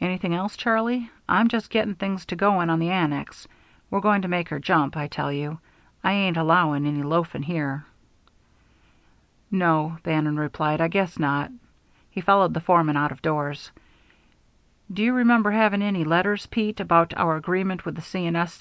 "Anything else, Charlie? I'm just getting things to going on the annex. We're going to make her jump, I tell you. I ain't allowing any loafing there." "No," Bannon replied, "I guess not." He followed the foreman out of doors. "Do you remember having any letters, Pete, about our agreement with the C. & S. C.